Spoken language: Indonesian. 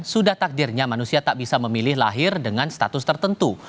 sudah takdirnya manusia tak bisa memilih lahir dengan status tertentu